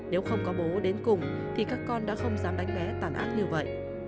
nếu không có bố đến cùng thì các con đã không dám đánh bé tàn ác như vậy